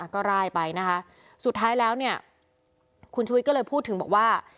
ก็ไล่ไปนะคะสุดท้ายแล้วเนี่ยคุณชุวิตก็เลยพูดถึงบอกว่า